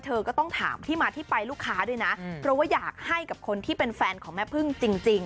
เธอก็ต้องถามที่มาที่ไปลูกค้าด้วยนะเพราะว่าอยากให้กับคนที่เป็นแฟนของแม่พึ่งจริง